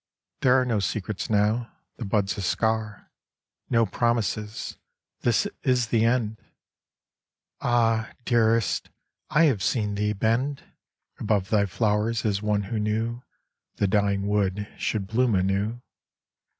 There are No secrets now, the bud's a scar; No promises, this is the end! Ah, Dearest, I have seen thee bend Above thy flowers as one who knew The dying wood should bloom anew.